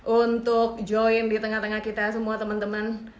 untuk join di tengah tengah kita semua temen temen